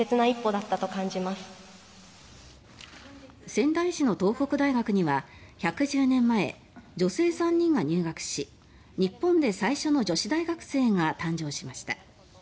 仙台市の東北大学には１１０年前、女性３人が入学し日本で最初の女子大学生が誕生しました。